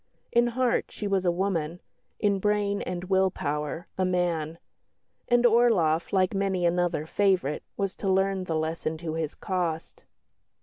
In heart she was a woman; in brain and will power, a man. And Orloff, like many another favourite, was to learn the lesson to his cost.